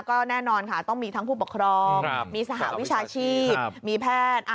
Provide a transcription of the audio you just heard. ก็แน่นอนค่ะต้องมีทั้งผู้ปกครองมีสหวิชาชีพมีแพทย์